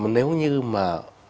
nếu như mà